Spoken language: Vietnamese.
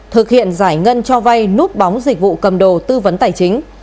thực hiện giải ngân cho vai nút bóng dịch vụ cầm đồ tư vấn tài chính